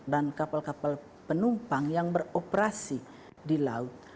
dan kapal kapal penumpang yang beroperasi di laut